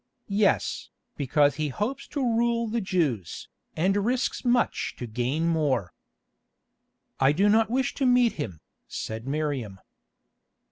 "Yes, because he hopes to rule the Jews, and risks much to gain more." "I do not wish to meet him," said Miriam.